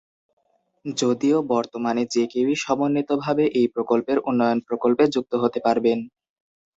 যদিও বর্তমানে যে কেউই সমন্বিতভাবে এই প্রকল্পের উন্নয়ন প্রকল্পে যুক্ত হতে পারবেন।